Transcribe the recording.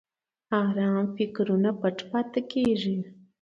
ارام فکرونه پټ پاتې کېږي.